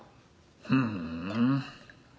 ふん。